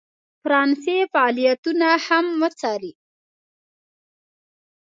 فرانسې فعالیتونه هم وڅاري.